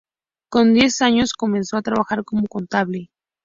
Con diez años comenzó a trabajar como contable.